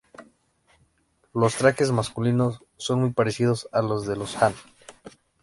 Los trajes masculinos son muy parecidos a los de los han.